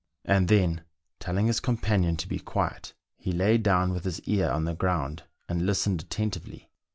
And then, telling his companion to be quiet, he lay down with his ear on the ground, and listened atten tively.